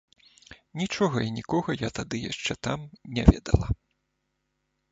Нічога і нікога я тады яшчэ там не ведала.